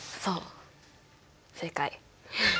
そう正解！